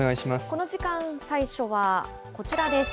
この時間最初はこちらです。